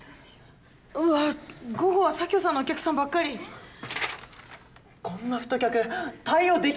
うわー午後は佐京さんのお客さんばっかりこんな太客対応できねえっすよ